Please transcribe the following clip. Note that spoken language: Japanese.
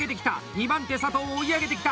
２番手佐藤、追い上げてきた！